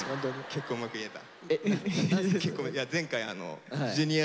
結構うまく言えた。